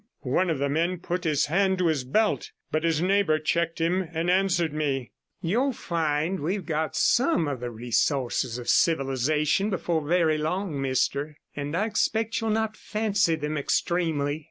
One of the men put his hand to his belt, but his neighbour checked him, and answered me — 'You'll find we've got some of the resources of civilization before very long, mister, and I expect you'll not fancy them extremely.